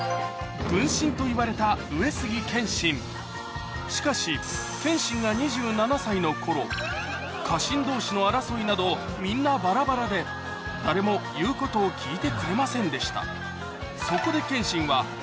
軍神といわれた上杉謙信しかし謙信が２７歳の頃家臣同士の争いなどみんなバラバラで誰も言うことを聞いてくれませんでした